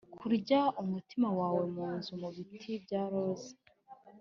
kurya umutima wawe munzu mubiti bya roza.